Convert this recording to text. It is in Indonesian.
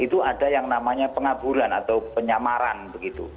itu ada yang namanya pengaburan atau penyamaran begitu